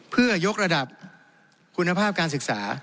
เพื่อยกระดับคุณภาพการศึกษา